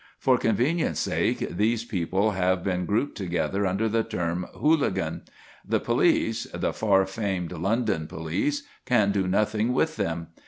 For convenience' sake these people have been grouped together under the term "Hooligan." The police the far famed London police can do nothing with them.